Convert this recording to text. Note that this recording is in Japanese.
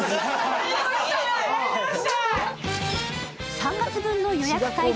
３月分の予約開放